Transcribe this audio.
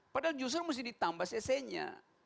padahal justru mesti ditambah cc nya